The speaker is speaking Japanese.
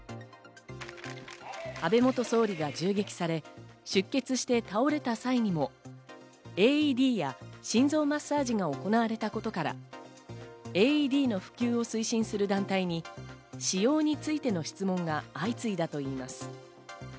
安倍元総理が銃撃され、出血して倒れた際にもＡＥＤや心臓マッサージが行われたことから、ＡＥＤの普及を推進する団体に使用についての質問が相次いだといいます。